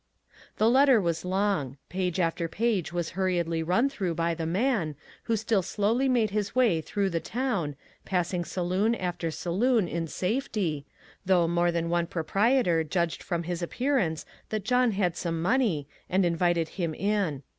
The letter was long — page after page was hurriedly run through by the man, who still slowly made his way through the town, passing saloon after saloon in safety, thougli more than one proprietor judged from his appearance that John had some money, and invited him in.